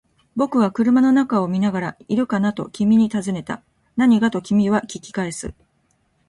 僕は車の中を見ながら、いるかな？と君に訊いた。何が？と君は訊き返す。